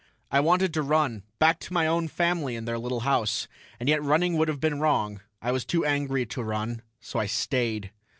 I wanted to run, back to my own family in their little house, and yet running would have been wrong; I was too angry to run, so I stayed.